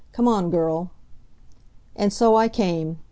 Come on, girl." And so I came.